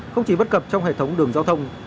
không chỉ bất cập trong hệ thống đường giao thông